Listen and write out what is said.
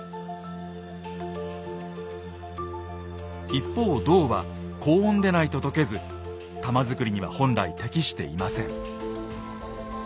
一方銅は高温でないと溶けず玉づくりには本来適していません。